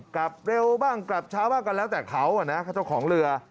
กลับเร็วบ้างกลับเช้าบ้างกันแล้วแต่เขาอ่ะนะเจ้าของเรือ